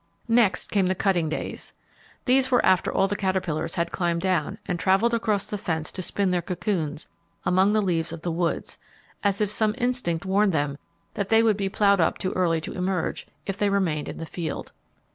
Next came the cutting days. These were after all the caterpillars had climbed down, and travelled across the fence to spin their cocoons among the leaves of the woods; as if some instinct warned them that they would be ploughed up too early to emerge, if they remained in the field.